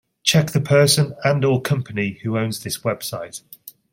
Check the person and/or company who owns this website.